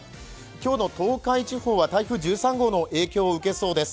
今日の東海地方は台風１３号の影響を受けそうです。